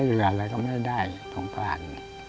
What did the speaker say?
ไม่เหลืออะไรก็ไม่ได้ต้องพาน